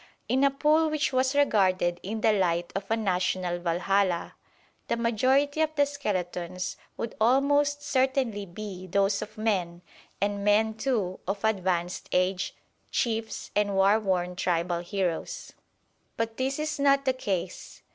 In a pool which was regarded in the light of a national Valhalla the majority of the skeletons would almost certainly be those of men, and men, too, of advanced age, chiefs and war worn tribal heroes. But this is not the case.